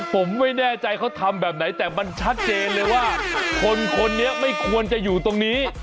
ผมไม่แน่ใจเขาทำแบบไหนแต่มันชัดเจนเลยว่าคนคนนี้ไม่ควรจะอยู่ตรงนี้